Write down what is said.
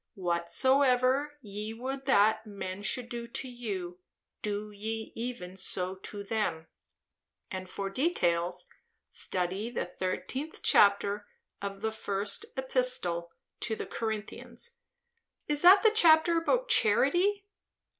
"'Whatsoever ye would that men should do to you, do ye even so to them'; and for details, study the 13th chapter of the first epistle to the Corinthians." "Is that the chapter about charity?"